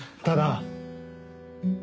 ただ。